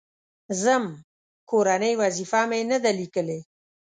_ځم، کورنۍ وظيفه مې نه ده ليکلې.